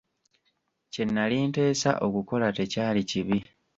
Kye nali nteesa okukola tekyali kibi.